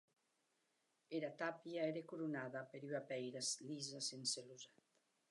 Era tàpia ère coronada per ua pèira lisa sense losat.